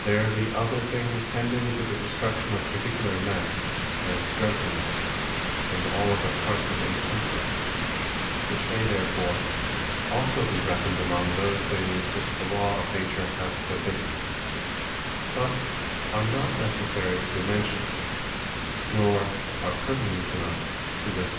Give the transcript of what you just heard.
There be other things tending to the destruction of particular men; as Drunkenness, and all other parts of Intemperance; which may therefore also be reckoned amongst those things which the Law of Nature hath forbidden; but are not necessary to be mentioned, nor are pertinent enough to this place.